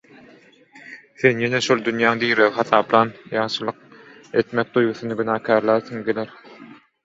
Sen ýene şol dünýäň diregi hasaplan ýagşylyk etmek duýgusyny günäkärläsiň geler.